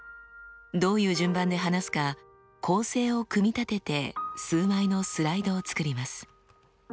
どういう順番で話すか構成を組み立てて数枚のスライドを作ります。